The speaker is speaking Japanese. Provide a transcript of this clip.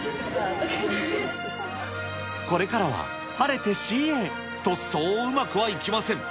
これからは、晴れてＣＡ、と、そううまくはいきません。